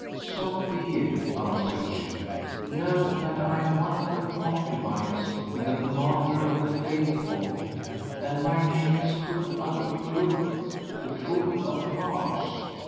"So be it," answered she; "know that I am one of the concubines of the Commander of the Faithful, and my name is Kút al Kulúb the Food of Hearts.